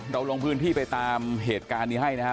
เราลงพื้นที่ไปตามเหตุการณ์นี้ให้นะครับ